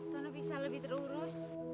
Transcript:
tono bisa lebih terurus